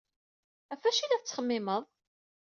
Ɣef wacu ay la tettxemmimed?